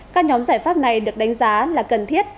các nhóm giải pháp này được đánh giá là cần thiết